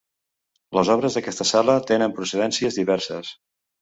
Les obres d'aquesta sala tenen procedències diverses.